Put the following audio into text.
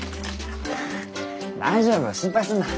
大丈夫心配すんな。